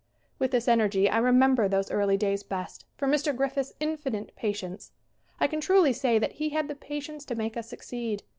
With this energy I remember those early days best for Mr. Griffith's infinite patience. I can truly say that he had the patience to make us succeed.